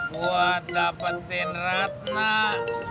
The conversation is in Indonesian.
gua dapat berhubungan dengan si mimin